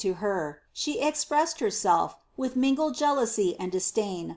ler, she expressed herself wtlh mingled jealousy nod disdain